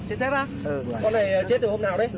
chết chết ạ con này chết được hôm nào đấy